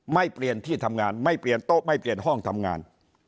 ไม่เปลี่ยนที่ทำงานไม่เปลี่ยนโต๊ะไม่เปลี่ยนห้องทำงาน